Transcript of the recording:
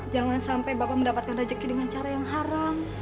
jangan sampai bapak mendapatkan rezeki dengan cara yang haram